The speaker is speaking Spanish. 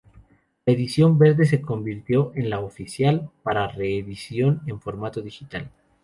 La edición verde se convirtió en la "oficial" para reedición en formato digital.